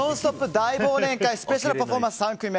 大忘年会スペシャルパフォーマンス３組目。